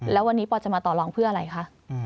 แล้ววันนี้ปอจะมาต่อรองเพื่ออะไรคะ